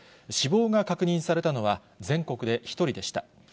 死亡が確認されたのは、全国で１人でした。